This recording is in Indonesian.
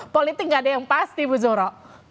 politik gak ada yang pasti bu zuhro